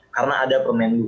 karena ada permenggu